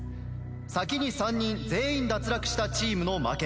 先に３人全員脱落したチームの負け。